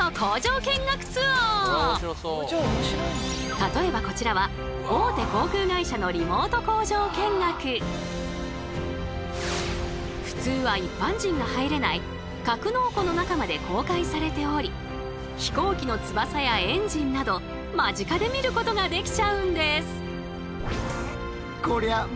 例えばこちらは普通は一般人が入れない格納庫の中まで公開されており飛行機の翼やエンジンなど間近で見ることができちゃうんです！